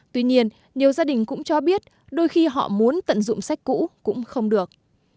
tuy nhiên nhiều gia đình cũng cho biết đôi khi họ muốn tận dụng sách cũ cũng không được